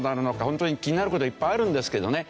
本当に気になる事いっぱいあるんですけどね。